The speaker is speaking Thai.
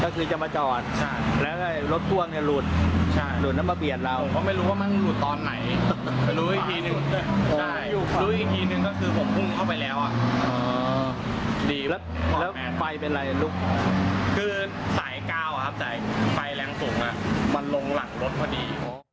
คือสายก้าวแต่ไฟแรงสูงมันลงหลังรถพอดี